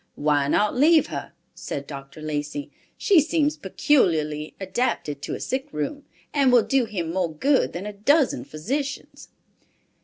"Why not leave her?" said Dr. Lacey. "She seems peculiarly adapted to a sick room, and will do him more good than a dozen physicians."